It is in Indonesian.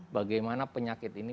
bagaimana penyakit ini